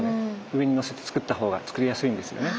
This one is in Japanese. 上にのせてつくった方がつくりやすいんですよね。